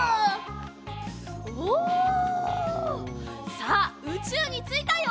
さあうちゅうについたよ。